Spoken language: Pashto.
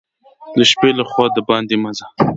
د شپې له خوا دباندي مه ځه !